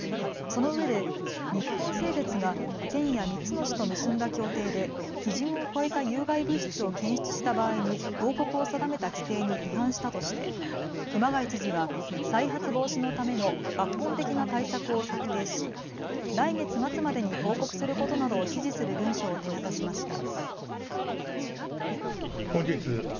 そのうえで日本製鉄が県や３つの市と結んだ協定で基準を超えた有害物質を検出した場合に報告を定めた規定に違反したとして熊谷知事は再発防止のための抜本的な対策を策定し来月末までに報告することなどを指示する文書を手渡しました。